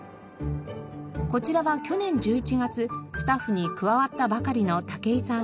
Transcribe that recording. こちらは去年１１月スタッフに加わったばかりの武井さん。